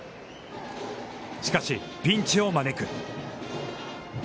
しかし、ピンチを招く。